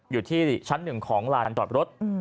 อยู่ที่ชั้นหนึ่งของลานตอบรถ